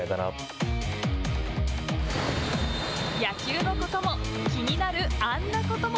野球のことも気になるあんなことも。